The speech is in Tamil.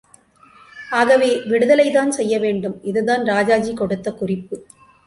ஆகவே விடுதலை தான் செய்யவேண்டும். இதுதான் ராஜாஜி கொடுத்த குறிப்பு.